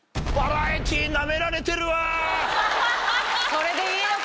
これでいいのか。